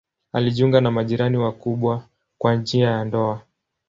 Alijiunga na majirani wakubwa kwa njia ya ndoa.